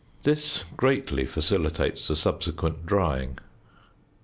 This greatly facilitates the subsequent drying.